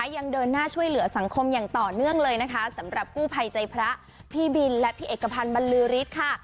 ยังเดินหน้าช่วยเหลือสังคมอย่างต่อเนื่องเลยนะคะสำหรับกู้ภัยใจพระพี่บินและพี่เอกพันธ์บรรลือฤทธิ์ค่ะ